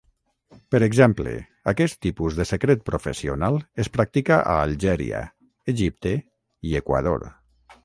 Per exemple, aquest tipus de secret professional es practica a Algèria, Egipte i Equador.